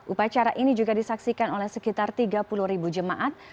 upacara ini juga disaksikan oleh sekitar tiga puluh ribu jemaat